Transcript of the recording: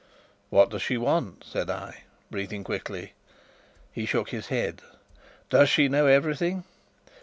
"What does she want?" said I, breathing quickly. He shook his head. "Does she know everything?"